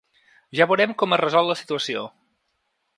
Ja veurem com es resol la situació.